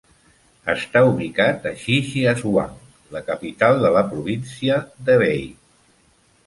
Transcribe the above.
Està ubicat a Shijiazhuang, la capital de la província d'Hebei.